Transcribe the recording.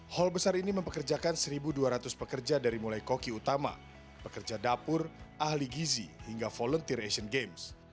hall besar ini mempekerjakan satu dua ratus pekerja dari mulai koki utama pekerja dapur ahli gizi hingga volunteer asian games